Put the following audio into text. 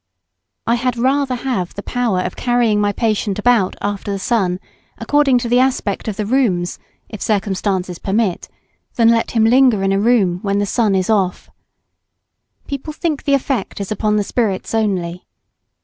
I had rather have the power of carrying my patient about after the sun, according to the aspect of the rooms, if circumstances permit, than let him linger in a room when the sun is off. People think the effect is upon the spirits only.